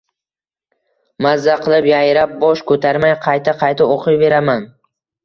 Maza qilib, yayrab, bosh ko’tarmay, qayta-qayta o’qiyveraman.